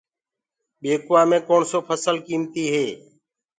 ٻيڪوآ مي ڪوڻسو ڦسل قيمتي هي۔